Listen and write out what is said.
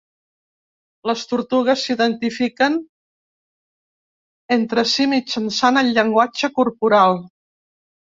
Les tortugues s'identifiquen entre si mitjançant el llenguatge corporal.